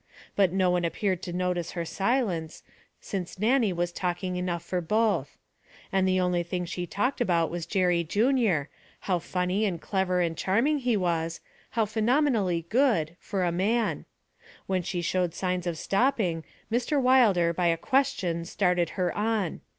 But no one appeared to notice her silence, since Nannie was talking enough for both. And the only thing she talked about was Jerry Junior, how funny and clever and charming he was, how phenomenally good for a man; when she showed signs of stopping, Mr. Wilder by a question started her on.